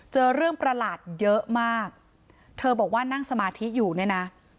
เจอเรื่องประหลาดเยอะมากเธอบอกว่านั่งสมาธิอยู่เนี่ยนะ